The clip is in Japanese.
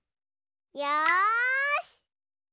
よし！